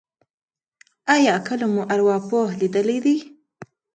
ایا کله مو ارواپوه لیدلی دی؟